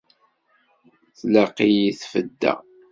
Tlaq-iyi tfada.